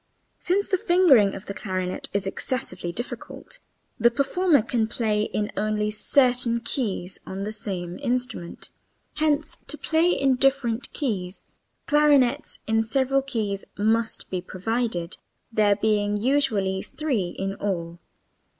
Since the fingering of the clarinet is excessively difficult the performer can play in only certain keys on the same instrument, hence to play in different keys clarinets in several keys must be provided, there being usually three in all.